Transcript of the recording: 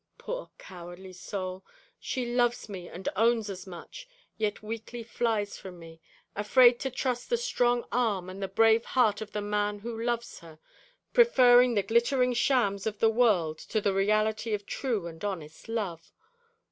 Poor cowardly soul! She loves me, and owns as much, yet weakly flies from me, afraid to trust the strong arm and the brave heart of the man who loves her, preferring the glittering shams of the world to the reality of true and honest love.